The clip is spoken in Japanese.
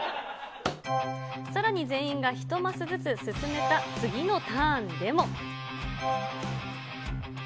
さらに全員が１マスずつ進めた次のターンでも。